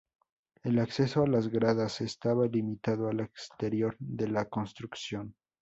El acceso a las gradas estaba limitado al exterior de la construcción.